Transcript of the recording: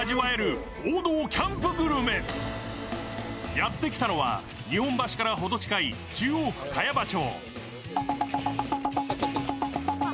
やってきたのは日本橋から程近い中央区茅場町。